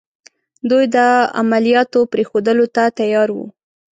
دوی د عملیاتو پرېښودلو ته تیار وو.